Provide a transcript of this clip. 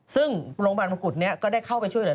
ซึ่งโรงพันธุ์บันกุฎก็ได้เข้าไปช่วยเหลือ